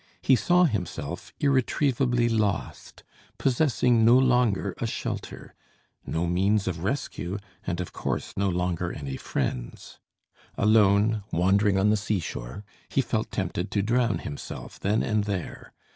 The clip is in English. He saw himself irretrievably lost, possessing no longer a shelter, no means of rescue and, of course, no longer any friends. Alone, wandering on the sea shore, he felt tempted to drown himself, then and there.